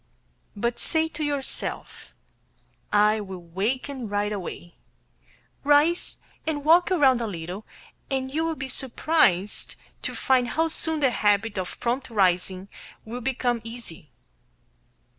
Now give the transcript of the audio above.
But say to yourself, "I will waken right away," rise and walk around a little, and you will be surprised to find how soon the habit of prompt rising will become easy.